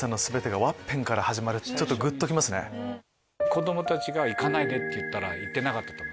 子供たちが「行かないで」って言ったら行ってなかったと思う。